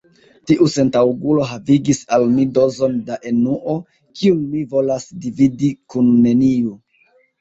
Tiu sentaŭgulo havigis al mi dozon da enuo, kiun mi volas dividi kun neniu.